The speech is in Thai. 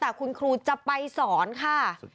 แต่คุณครูจะไปสอนค่ะ